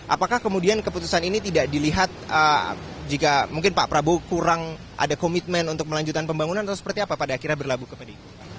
apakah kemudian keputusan ini tidak dilihat jika mungkin pak prabowo kurang ada komitmen untuk melanjutkan pembangunan atau seperti apa pada akhirnya berlabuh ke pdip